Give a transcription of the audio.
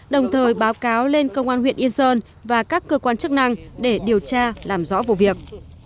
đồng thời báo cáo lên công an huyện yên sơn và các cơ quan chức năng để điều tra làm rõ vụ việc